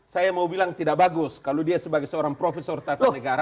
saya mau bilang tidak bagus kalau dia sebagai seorang profesor tata negara